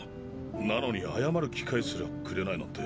なのに謝る機会すらくれないなんて。